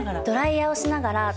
ドライヤーをしながら。